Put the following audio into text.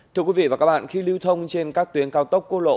thưa quý vị và các bạn khi lưu thông trên các tuyến cao tốc cô lộ